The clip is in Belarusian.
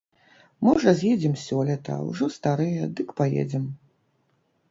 Можа з'едзем сёлета, ужо старыя, дык паедзем.